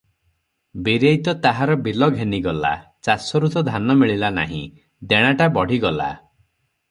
ବୀରେଇ ତ ତାହାର ବିଲ ଘେନିଗଲା, ଚାଷରୁ ତ ଧାନ ମିଳିଲା ନାହିଁ, ଦେଣାଟା ବଢ଼ିଗଲା ।